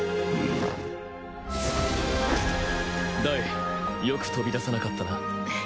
ダイよく飛び出さなかったな。